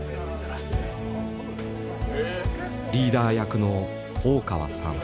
リーダー役の大川さん。